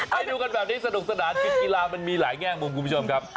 ให้ดูกันแบบนี้สนุกสนานคือกีฬามันมีหลายแง่มุมคุณผู้ชมครับ